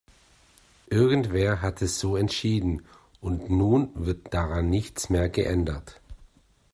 Irgendwer hat es so entschieden, und nun wird daran nichts mehr geändert.